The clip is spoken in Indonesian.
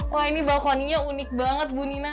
wah ini balkoninya unik banget bu nina